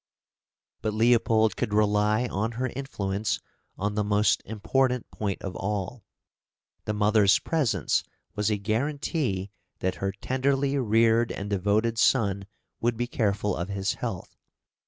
But Leopold could rely on her influence on the most important point of all. The mother's presence was a guarantee that her tenderly reared and devoted son would be careful of his health.